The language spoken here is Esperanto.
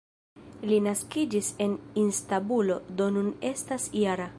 Li naskiĝis en Istanbulo, do nun estas -jara.